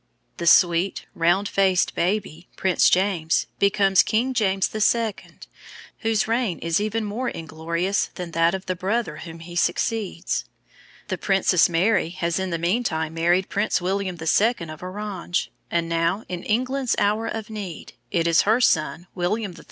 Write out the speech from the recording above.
The sweet, round faced baby, Prince James, becomes King James II., whose reign is even more inglorious than that of the brother whom he succeeds. The Princess Mary has in the mean time married Prince William II. of Orange, and now, in England's hour of need, it is her son, William III.